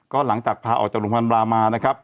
ก็หลังจากพาออกจากโรงพยาบาลบรามานะครับ